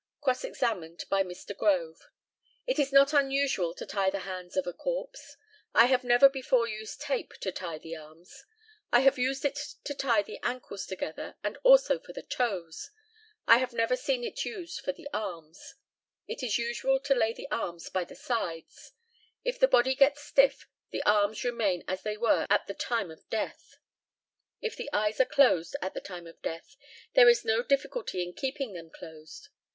Cross examined by Mr. GROVE: It is not usual to tie the hands of a corpse. I have never before used tape to tie the arms; I have used it to tie the ankles together, and also for the toes. I have never seen it used for the arms. It is usual to lay the arms by the sides. If the body gets stiff the arms remain as they were at the time of death. If the eyes are closed at the time of death there is no difficulty in keeping them closed.